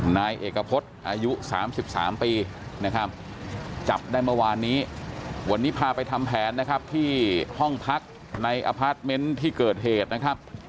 นายเอกพฤษอายุ๓๓ปีนะครับจับได้เมื่อวานนี้วันนี้พาไปทำแผนนะครับที่ห้องพักในอพาร์ทเมนต์ที่เกิดเหตุนะครับ